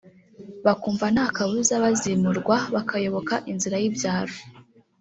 bakumva nta kabuza bazimurwa bakayoboka inzira y’ibyaro